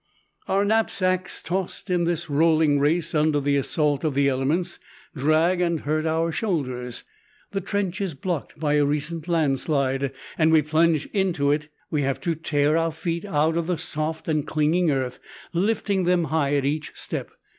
Our knapsacks, tossed in this rolling race under the assault of the elements, drag and hurt our shoulders. The trench is blocked by a recent landslide, and we plunge unto it. We have to tear our feet out of the soft and clinging earth, lifting them high at each step.